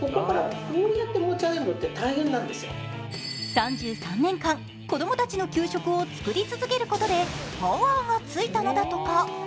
３３年間、子供たちの給食を作り続けることで、パワーがついたのだとか。